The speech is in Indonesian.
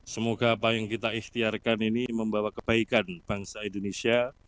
semoga apa yang kita ikhtiarkan ini membawa kebaikan bangsa indonesia